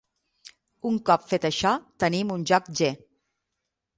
Un cop fet això, tenim un joc "G".